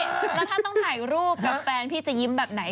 แล้วถ้าต้องถ่ายรูปกับแฟนพี่จะยิ้มแบบไหน